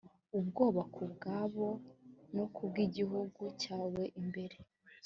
ubwoba ku bwabo no ku bw igihugu cyawe imbere